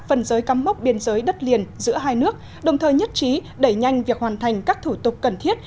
phân giới cắm mốc biên giới đất liền giữa hai nước đồng thời nhất trí đẩy nhanh việc hoàn thành các thủ tục cần thiết